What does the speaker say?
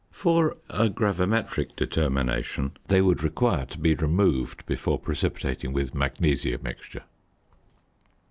For a gravimetric determination they would require to be removed before precipitating with "magnesia mixture."